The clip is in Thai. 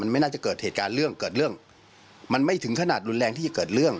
ไม่น่าจะเกิดเหตุการณ์เรื่องเกิดเรื่องมันไม่ถึงขนาดรุนแรงที่จะเกิดเรื่อง